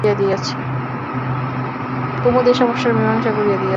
কুমুদ এ সমস্যার মীমাংসা করিয়া দিয়াছে।